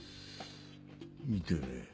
見てねえ。